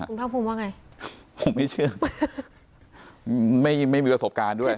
คุณภาคภูมิว่าไงผมไม่เชื่อไม่มีประสบการณ์ด้วย